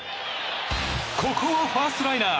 ここはファーストライナー。